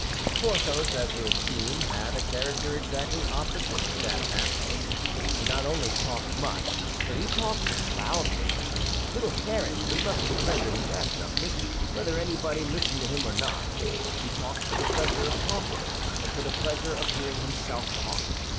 Porthos, as we have seen, had a character exactly opposite to that of Athos. He not only talked much, but he talked loudly, little caring, we must render him that justice, whether anybody listened to him or not. He talked for the pleasure of talking and for the pleasure of hearing himself talk.